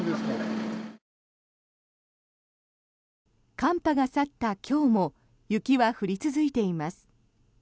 寒波が去った今日も雪は降り続いています。